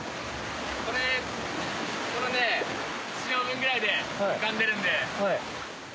これこのね１畳分ぐらいで浮かんでるんで。